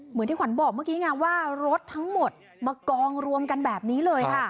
เหมือนที่ขวัญบอกเมื่อกี้ไงว่ารถทั้งหมดมากองรวมกันแบบนี้เลยค่ะ